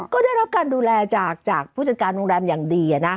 ก็ได้รับการดูแลจากผู้จัดการโรงแรมอย่างดี